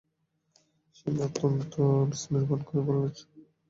শ্যামা অত্যন্ত বিস্ময়ের ভান করে বললে, ছবি!